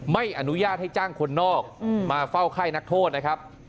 ไม่อนุญาตให้จ้างคนนอกมาเฝ้าไข้นักโทษนะครับ